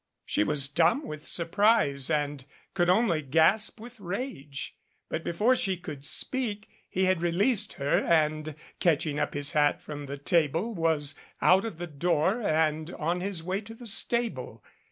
She was dumb with surprise and could only gasp with rage, but before she could speak he had released her, and, catching up his hat from the table, was out of the door and on his way to the stable.